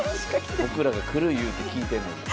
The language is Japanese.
僕らが来るいうて聞いてんのに。